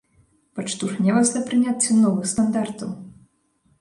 Падштурхне вас да прыняцця новых стандартаў.